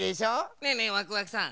ねえねえワクワクさん。